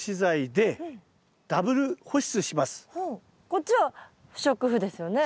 こっちは不織布ですよね？